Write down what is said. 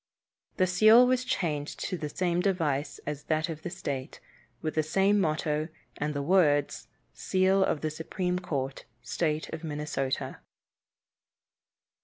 The seal was changed to the same device as that of the state, with the same motto and the words, "Seal of the Supreme Court, State of Minnesota."